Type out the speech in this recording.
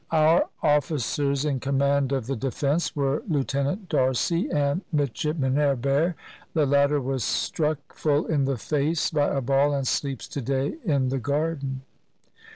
Our officers in com 251 CHINA mand of the defense were Lieutenant Darcy and Mid shipman Herber; the latter was struck full in the face by a ball, and sleeps to day in the garden.